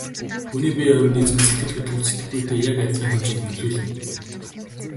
Хүний бие организм нь сэтгэл хөдлөлд сэтгэхүйтэй яг адилхан хэмжээнд нөлөөлнө.